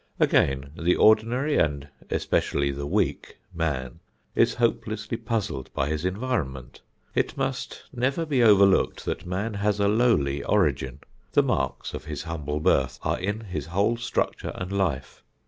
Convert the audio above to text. Again, the ordinary and especially the weak man is hopelessly puzzled by his environment. It must never be overlooked that man has a lowly origin. The marks of his humble birth are in his whole structure and life.